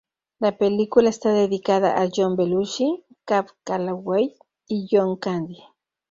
La película está dedicada a John Belushi, Cab Calloway, y John Candy.